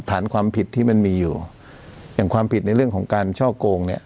ฐานความผิดที่มันมีอยู่อย่างความผิดในเรื่องของการช่อโกงเนี่ย